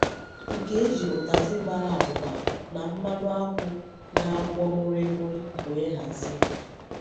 nke e ji ụtazị mara abụba na mmanụ akwụ na-akwọ mụrị mụrị wee hazie